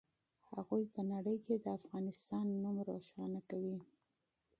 هغوی په نړۍ کې د افغانستان نوم روښانه کوي.